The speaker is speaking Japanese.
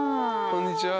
こんにちは。